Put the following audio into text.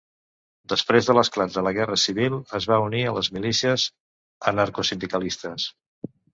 Després de l'esclat de la Guerra Civil es va unir a les milícies anarcosindicalistes.